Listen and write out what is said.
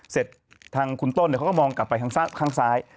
เสร็จทางคุณต้นเขาก็มองกลับไปทางข้างซ้าย